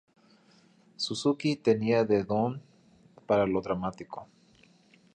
Suzuki tenía un don para lo dramático.